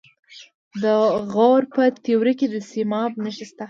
د غور په تیوره کې د سیماب نښې شته.